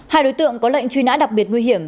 hai đối tượng có lệnh truy nã đặc biệt nguy hiểm